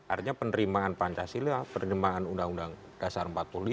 artinya penerimaan pancasila penerimaan undang undang dasar empat puluh lima